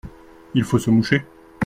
Il faut se moucher…